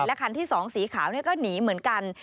คันที่๒สีขาวก็หนีเหมือนกัน